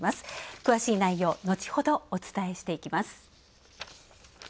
詳しい内容、後ほどお伝えしていきます。